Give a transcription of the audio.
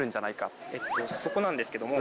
そこなんですけども。